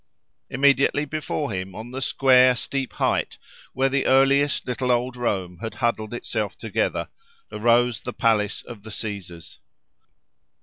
Immediately before him, on the square, steep height, where the earliest little old Rome had huddled itself together, arose the palace of the Caesars.